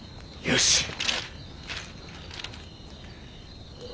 よし。